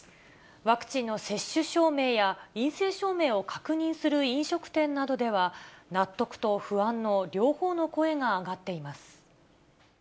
ワクチンの接種証明や陰性証明を確認する飲食店などでは、納得と不安の両方の声が上がっています。